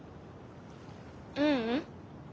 ううん。